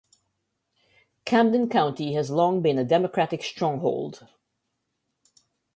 Camden County has long been a Democratic stronghold.